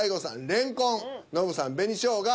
「レンコン」ノブさん「紅しょうが」